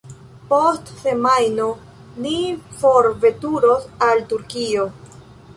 Post semajno ni forveturos al Turkio.